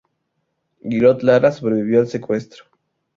Guillot Lara sobrevivió el secuestro.